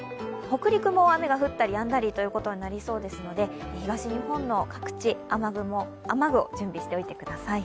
北陸も雨が降ったりやんだりとなりそうですので、東日本の各地、雨具を準備しておいてください。